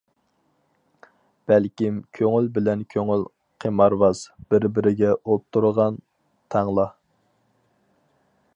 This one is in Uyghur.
بەلكىم كۆڭۈل بىلەن كۆڭۈل قىمارۋاز، بىر-بىرىگە ئۇتتۇرغان تەڭلا.